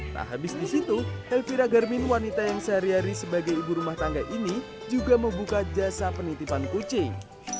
tak habis di situ elvira garmin wanita yang sehari hari sebagai ibu rumah tangga ini juga membuka jasa penitipan kucing